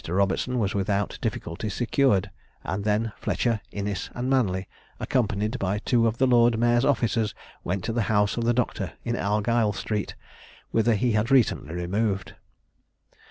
Robertson was without difficulty secured; and then Fletcher, Innis, and Manly, accompanied by two of the lord mayor's officers, went to the house of the doctor in Argyle street, whither he had recently removed.